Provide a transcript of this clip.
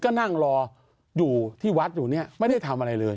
ก็นั่งรออยู่ที่วัดอยู่เนี่ยไม่ได้ทำอะไรเลย